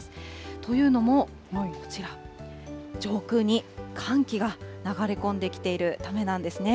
というのも、こちら、上空に寒気が流れ込んできているためなんですね。